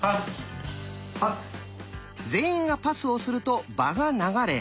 全員がパスをすると場が流れ